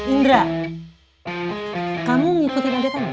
indra kamu ngikutin aja kamu